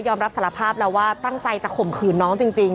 อมรับสารภาพแล้วว่าตั้งใจจะข่มขืนน้องจริง